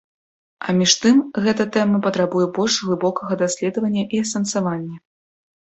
А між тым, гэта тэма патрабуе больш глыбокага даследавання і асэнсавання.